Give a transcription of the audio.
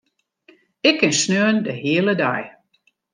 Ik kin saterdei de hiele dei.